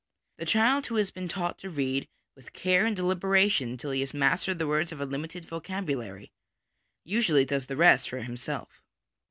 The child who has been taught to read with care and deliberation until he has mastered the words of a limited vocabulary, usually does the rest for himself.